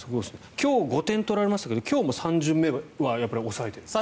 今日５点取られましたけど今日も３巡目は抑えたんですね。